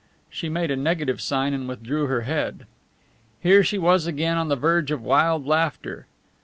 She made a negative sign and withdrew her head. Here she was again on the verge of wild laughter.